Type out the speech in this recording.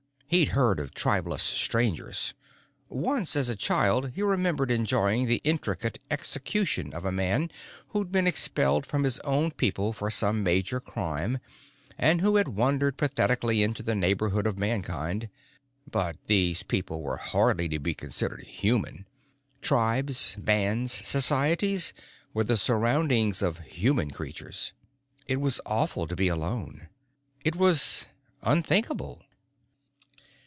He'd heard of tribeless Strangers once, as a child, he remembered enjoying the intricate execution of a man who'd been expelled from his own people for some major crime and who had wandered pathetically into the neighborhood of Mankind but these people were hardly to be considered human: tribes, bands, societies, were the surroundings of human creatures. It was awful to be alone. It was unthinkable.